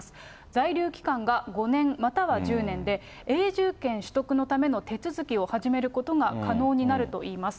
在留期間が５年または１０年で、永住権取得のための手続きを始めることが可能になるといいます。